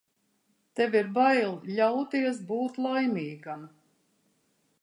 Tev ir bail ļauties būt laimīgam.